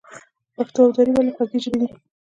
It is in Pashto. پښتو او دري ولې خوږې ژبې دي؟